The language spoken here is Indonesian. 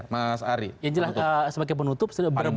mas ari yang jelas sebagai penutup